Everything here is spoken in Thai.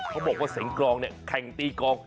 เขาบอกว่าเสียงกองแข่งตีกอง